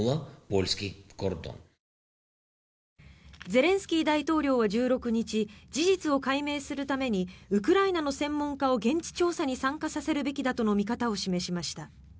ゼレンスキー大統領は１６日事実を解明するためにウクライナの専門家を現地調査に参加させるべきだとの見方を示しました。